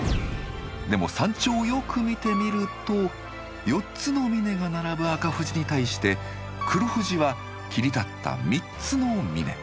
でも山頂をよく見てみると４つの峰が並ぶ赤富士に対して黒富士は切り立った３つの峰。